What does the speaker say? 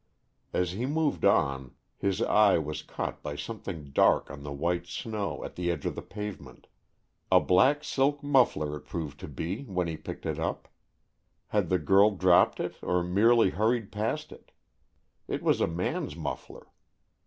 As he moved on, his eye was caught by something dark on the white snow at the edge of the pavement, a black silk muffler it proved to be, when he picked it up. Had the girl dropped it or merely hurried past it? It was a man's muffler.